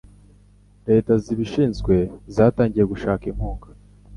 leta zibishinzwe zatangiye gushaka inkunga